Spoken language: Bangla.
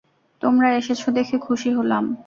তোমরা এসেছ দেখে খুশি হলাম।